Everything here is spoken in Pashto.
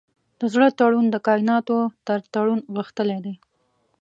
د زړه تړون د کایناتو تر تړون غښتلی دی.